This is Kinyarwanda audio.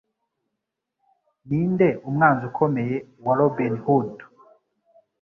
Ninde Umwanzi Ukomeye wa Robin Hood?